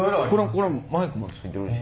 これマイクもついてるし。